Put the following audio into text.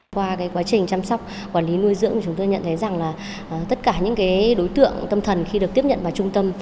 qua quá trình chăm sóc quản lý nuôi dưỡng chúng tôi nhận thấy rằng là tất cả những đối tượng tâm thần khi được tiếp nhận vào trung tâm